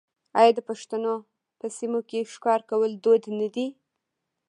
آیا د پښتنو په سیمو کې ښکار کول دود نه دی؟